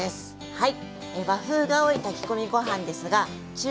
はい。